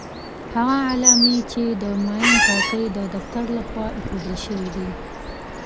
هغه علامې دي چې د ماین پاکۍ د دفتر لخوا ايښودل شوې دي.